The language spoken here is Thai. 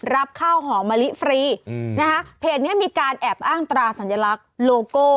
รับข้าวหอมมะลิฟรีอืมนะคะเพจนี้มีการแอบอ้างตราสัญลักษณ์โลโก้